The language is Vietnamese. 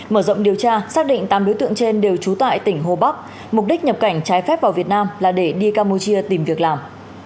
mở rộng điều tra xác định tám đối tượng trên đều trú tại tỉnh hồ bắc mục đích nhập cảnh trái phép vào việt nam là để đi campuchia tìm việc làm